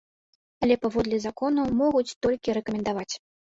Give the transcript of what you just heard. Але паводле закону могуць толькі рэкамендаваць.